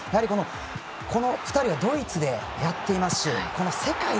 この２人はドイツでやってますしこの世界で